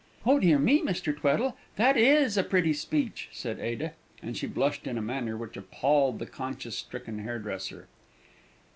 "Oh dear me, Mr. Tweddle, that is a pretty speech!" said Ada, and she blushed in a manner which appalled the conscience stricken hairdresser.